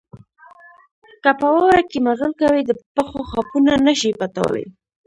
که په واوره کې مزل کوئ د پښو خاپونه نه شئ پټولای.